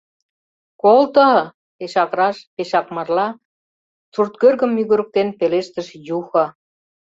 — Колто!!! — пешак раш, пешак марла сурткӧргым мӱгырыктен пелештыш Юхо.